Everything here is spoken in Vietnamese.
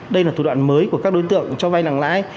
đây là thủ đoạn mới của các đối tượng cho vay nặng lãi